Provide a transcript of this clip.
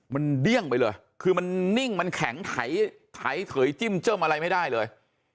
มันเดี้ยงไปเลยคือมันนิ่งมันแข็งไถเถยจิ้มเจิ้มอะไรไม่ได้เลย